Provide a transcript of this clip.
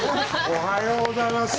おはようございます。